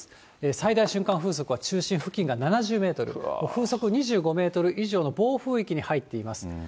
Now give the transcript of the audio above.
最大瞬間風速は中心付近が７０メートル、風速２５メートル以上の暴風域に入っています。